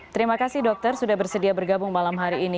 terima kasih dokter sudah bersedia bergabung malam hari ini